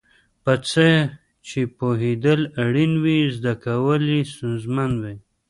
په څه چې پوهېدل اړین وي زده کول یې ستونزمن وي.